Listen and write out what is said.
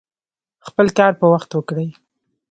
خپل کار په وخت وکړئ